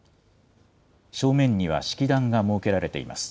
正面には式壇が設けられています。